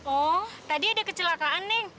oh tadi ada kecelakaan nih